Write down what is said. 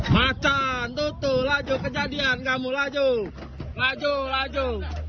macan tutup laju kejadian kamu laju laju laju